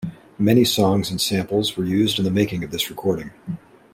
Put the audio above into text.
Many songs and samples were used in the making of this recording.